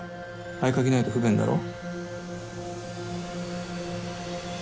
合鍵ないと不便だろ。